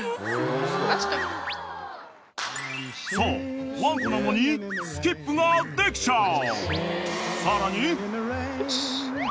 ［そうワンコなのにスキップができちゃう］